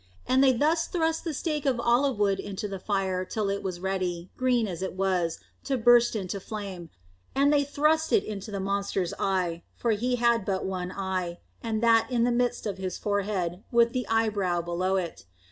And they thrust the stake of olive wood into the fire till it was ready, green as it was, to burst into flame, and they thrust it into the monster's eye; for he had but one eye, and that in the midst of his forehead, with the eyebrow below it.